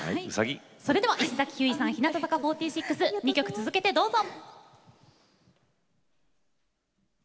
それでは石崎ひゅーいさん日向坂４６２曲続けてどうぞ。